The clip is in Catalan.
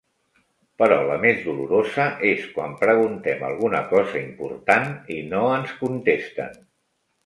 Però la més dolorosa és quan preguntem alguna cosa important i no ens contesten.